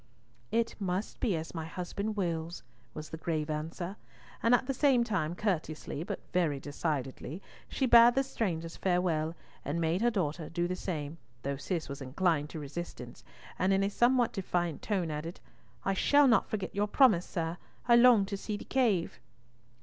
"It must be as my husband wills," was the grave answer, and at the same time, courteously, but very decidedly, she bade the strangers farewell, and made her daughter do the same, though Cis was inclined to resistance, and in a somewhat defiant tone added, "I shall not forget your promise, sir. I long to see the cave."